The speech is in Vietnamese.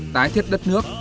tái thiết đất nước